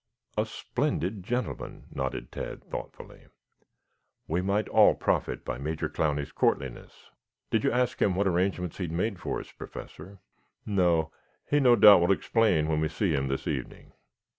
"A splendid gentleman," nodded Tad thoughtfully. "We might all profit by Major Clowney's courtliness. Did you ask him what arrangements he had made for us, Professor?" "No. He no doubt will explain when we see him this evening.